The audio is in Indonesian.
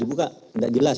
dibuka tidak jelas